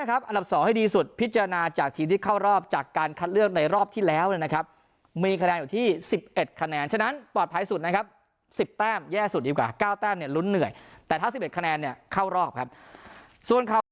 แค่สุดดีกว่าเก้าแต้มเนี่ยลุ้นเหนื่อยแต่ถ้าสิบเอ็ดคะแนนเนี่ยเข้ารอบครับส่วนเข้า